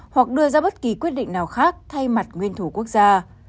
hoặc đưa ra bất kỳ quyết định nào khác thay mặt nguyên thủ quốc gia